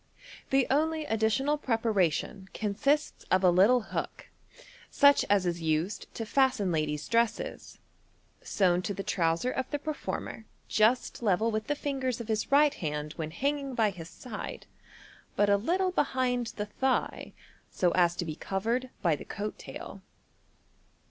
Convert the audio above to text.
The only additional preparation consists of a little hook, such as is used to fasten ladies' dresses, sewn to the trouser of the performer just level with the fingers of his right hand when hanging by his side, but a little behind the thigh, so as to be covered by the coat tail.